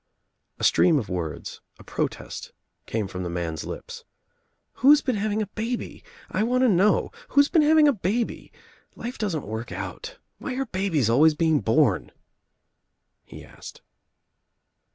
A stream of words, a protest came from the man's lips. "Who's been having a baby? I want to know. Who's been having a baby? Life doesn't work out. Why are babies always being born?" he asked.